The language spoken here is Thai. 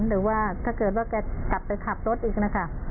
หรือว่าถ้าเกิดว่าแกกลับไปขับรถอีกนะคะ